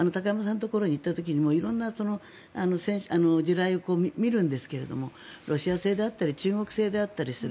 ところに行った時にも色んな地雷を見るんですけどロシア製であったり中国製であったりする。